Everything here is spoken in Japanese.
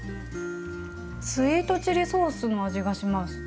スイートチリソースの味がします。